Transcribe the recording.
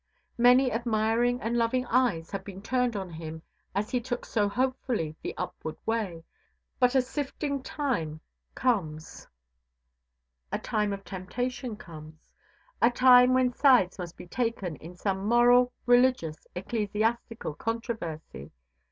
Many admiring and loving eyes have been turned on him as he took so hopefully the upward way. But a sifting time soon comes. A time of temptation comes. A time comes when sides must be taken in some moral, religious, ecclesiastical controversy.